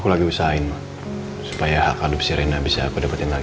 kamu mau saya marah ya